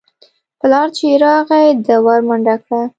پلار چې يې راغى ده ورمنډه کړه.